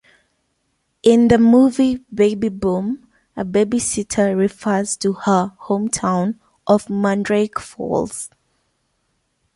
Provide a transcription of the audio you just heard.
In the movie "Baby Boom", a babysitter refers to her hometown of Mandrake Falls.